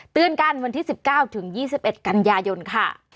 เตือนกันวันที่๑๙ถึง๒๑กันยายนค่ะ